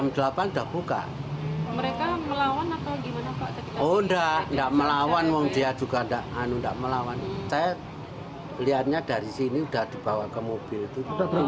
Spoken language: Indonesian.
dua orang yang dibawa itu